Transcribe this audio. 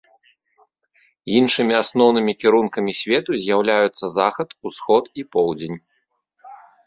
Іншымі асноўнымі кірункамі свету з'яўляюцца захад, усход і поўдзень.